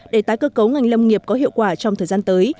để tái cơ cấu ngành lâm nghiệp có hiệu quả trong thời gian tới